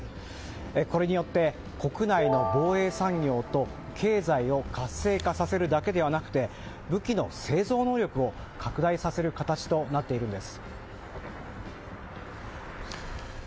これによって国内の防衛産業と経済を活性化させるだけではなくて武器の製造能力を拡大させる形となっているんです。